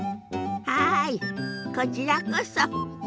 はいこちらこそ。